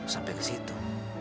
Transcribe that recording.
sampai ke situ